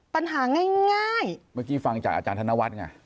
ปัญหาง่ายเมื่อกี้ฟังจากอาจารย์ธนวัฒน์ไง